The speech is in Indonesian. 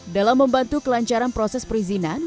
dalam membantu kelancaran proses perizinan